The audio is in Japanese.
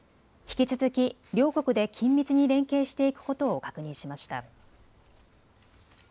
引き続き両国で緊密に連携していくことを確認しました。